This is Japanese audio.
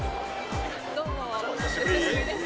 どうもお久しぶりです